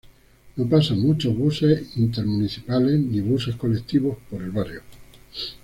No pasan muchos buses intermunicipales ni buses "colectivos" por el barrio.